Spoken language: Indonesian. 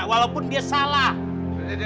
walaupun dia salah